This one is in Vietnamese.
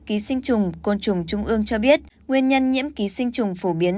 ký sinh trùng côn trùng trung ương cho biết nguyên nhân nhiễm ký sinh trùng phổ biến